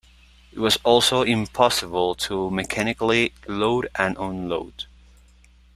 It was also impossible to mechanically load and unload.